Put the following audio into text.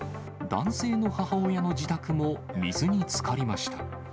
男性の母親の自宅も水につかりました。